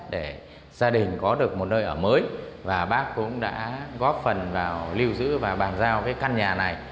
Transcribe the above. để gia đình có được một nơi ở mới và bác cũng đã góp phần vào lưu giữ và bàn giao cái căn nhà này